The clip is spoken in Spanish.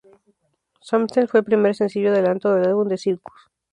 Sometimes fue el primer sencillo adelanto del álbum The Circus.